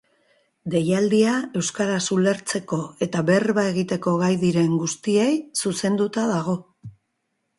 Deialdia euskaraz ulertzeko eta berba egiteko gai diren guztiei zuzenduta dago.